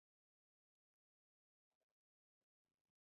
راجپوتو واکمن تیمورشاه ته ټینګ وو.